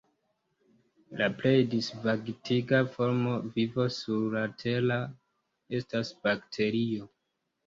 La plej disvastigita formo de vivo sur la Tero estas bakterio.